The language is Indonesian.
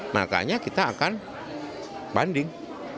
makanya kita akan banding